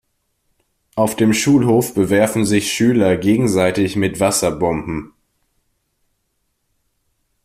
Auf dem Schulhof bewerfen sich Schüler gegenseitig mit Wasserbomben.